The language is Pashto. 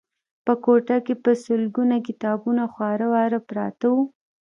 په کوټه کې په سلګونه کتابونه خواره واره پراته وو